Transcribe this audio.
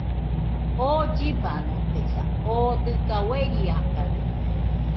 oo llibanotesa, oo dɨga ueriakade